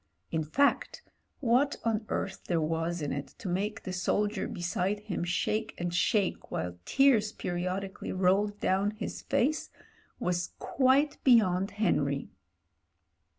In fact, what on earth there was in it to make the soldier beside him shake and shake while the tears periodically rolled down his face was quite beyond Henry.